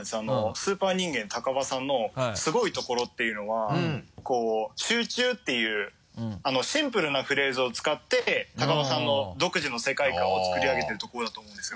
スーパー人間高羽さんのすごいところっていうのは「集中」っていうシンプルなフレーズを使って高羽さんの独自の世界観を作り上げているところだと思うんですよ。